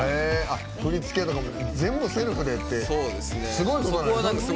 振り付けとか全部セルフですごいことなんでしょ？